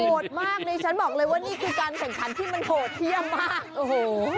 โอดมากนะฉันบอกเลยว่านี่คือการแข่งขันที่โหดเฮียมมาก